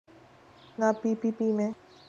نہ P P P میں۔